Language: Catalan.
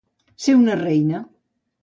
Ser una reina.